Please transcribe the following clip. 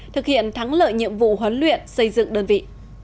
thực hiện thắng lợi nhiệm vụ huấn luyện xây dựng đơn vị